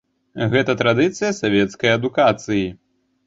Гэта традыцыя савецкай адукацыі.